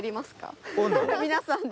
皆さんで。